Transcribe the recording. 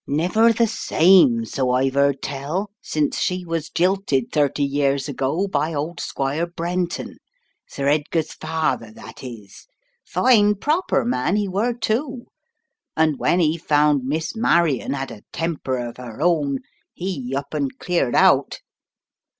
"Never the same, so I've heard tell, since she was jilted thirty years ago by old Squire Brenton — Sir Edgar's father, that is — fine proper man he were, too, and when he found Miss Marion had a temper of her own, he up and cleared out.